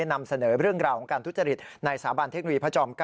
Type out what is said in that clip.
นำเสนอเรื่องราวของการทุจริตในสถาบันเทคโนโลยีพระจอม๙